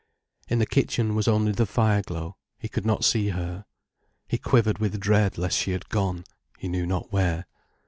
In the kitchen was only the fireglow, he could not see her. He quivered with dread lest she had gone—he knew not where.